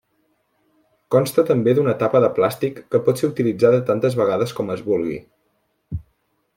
Consta també d'una tapa de plàstic que pot ser utilitzada tantes vegades com es vulgui.